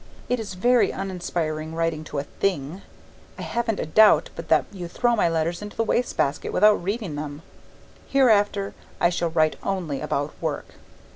It is very uninspiring writing to a Thing. I haven't a doubt but that you throw my letters into the waste basket without reading them. Hereafter I shall write only about work.